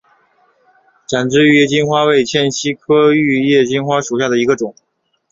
展枝玉叶金花为茜草科玉叶金花属下的一个种。